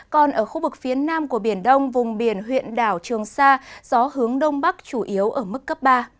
còn ở khu vực phía nam của biển đông vùng biển huyện đảo trường sa gió hướng đông bắc chủ yếu ở mức cấp ba